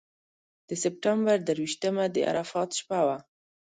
د سپټمبر درویشتمه د عرفات شپه وه.